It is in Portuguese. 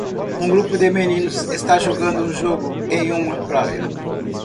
Um grupo de meninos está jogando um jogo em uma praia.